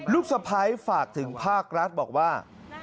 ลูกสะพ้ายฝากถึงภาครัฐบอกว่า